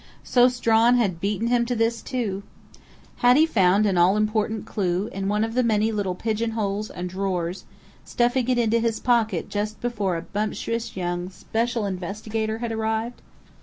So Strawn had beaten him to this, too! Had he found an all important clue in one of the many little pigeon holes and drawers, stuffing it into his pocket just before a bumptious young "special investigator" had arrived?